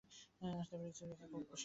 আসতে পেরেছেন দেখে খুব খুশি হলাম।